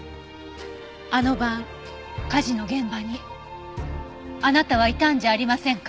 あの晩火事の現場にあなたはいたんじゃありませんか？